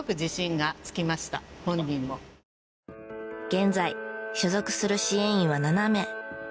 現在所属する支援員は７名。